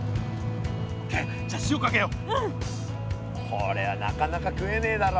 これはなかなか食えねえだろ。